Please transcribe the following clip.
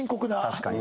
確かに。